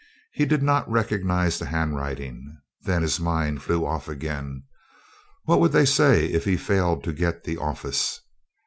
He did not recognize the handwriting. Then his mind flew off again. What would they say if he failed to get the office?